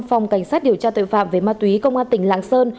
phòng cảnh sát điều tra tội phạm về ma túy công an tỉnh lạng sơn